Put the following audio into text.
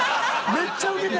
めっちゃウケてる。